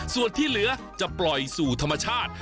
ส่วนที่เหลือจะปล่อยสู่ธรรมชาติ